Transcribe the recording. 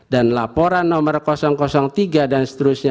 dan laporan nomor tiga dan seterusnya dua ribu dua puluh tiga